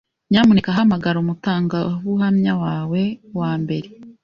Nyamuneka hamagara umutangabuhamya wawe wa mbere.